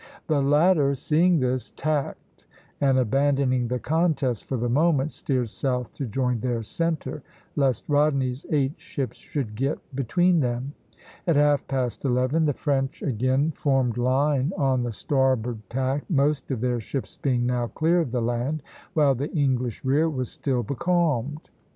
a). The latter, seeing this, tacked, and abandoning the contest for the moment, steered south to join their centre, lest Rodney's eight ships should get between them. At half past eleven the French again formed line on the starboard tack, most of their ships being now clear of the land, while the English rear was still becalmed.